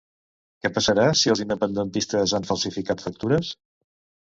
Què passarà si els independentistes han falsificat factures?